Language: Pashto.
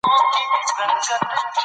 ملا خپل ځان یوازې موندلی دی.